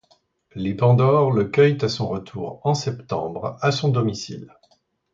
Les pandores le cueillent à son retour en septembre à son domicile.